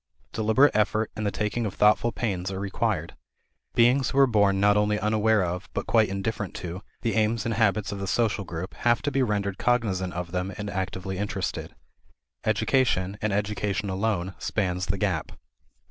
Deliberate effort and the taking of thoughtful pains are required. Beings who are born not only unaware of, but quite indifferent to, the aims and habits of the social group have to be rendered cognizant of them and actively interested. Education, and education alone, spans the gap.